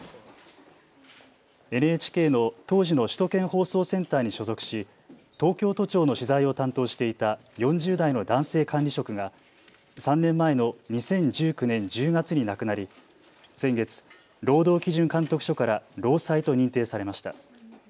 ＮＨＫの当時の首都圏放送センターに所属し東京都庁の取材を担当していた４０代の男性管理職が３年前の２０１９年１０月に亡くなり先月、労働基準監督署から労災と認定されました。